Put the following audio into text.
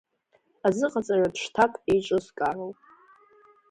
Азыҟаҵаратә шҭак еиҿыскаароуп.